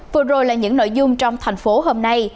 vừa rồi là những nội dung trong thành phố hôm nay